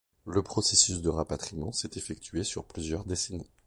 Le processus de rapatriement s'est effectué sur plusieurs décennies.